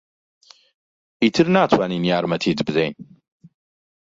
ئیتر ناتوانین یارمەتیت بدەین.